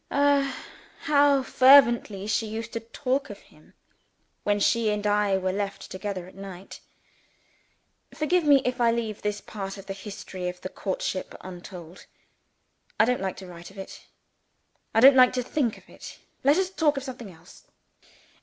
Ah, how fervently she used to talk of him when she and I were left together at night! Forgive me if I leave this part of the history of the courtship untold. I don't like to write of it I don't like to think of it. Let us get on to something else.